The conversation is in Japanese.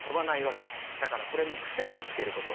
だからこれの癖を見つけること。